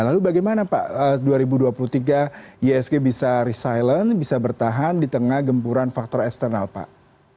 lalu bagaimana pak dua ribu dua puluh tiga isg bisa resilent bisa bertahan di tengah gempuran faktor eksternal pak